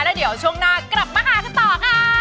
แล้วเดี๋ยวช่วงหน้ากลับมาหากันต่อค่ะ